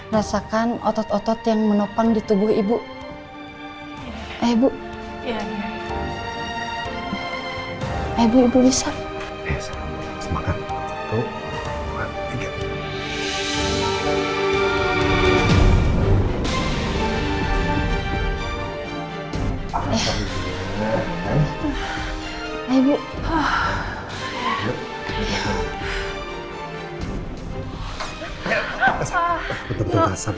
rasakan otot otot yang menopang di tubuh ibu